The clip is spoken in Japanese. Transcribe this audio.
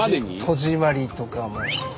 戸締まりとかも。